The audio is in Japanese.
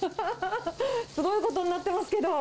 すごいことになってますけど。